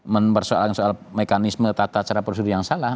mempersoalkan soal mekanisme tata cara prosedur yang salah